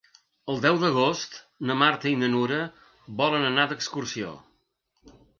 El deu d'agost na Marta i na Nura volen anar d'excursió.